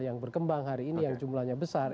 yang berkembang hari ini yang jumlahnya besar